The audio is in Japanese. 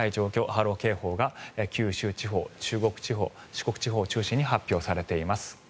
波浪警報が九州地方、中国地方四国地方を中心に発表されています。